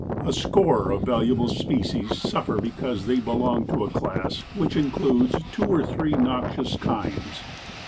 A score of valuable species suffer because they belong to a class which includes two or three noxious kinds.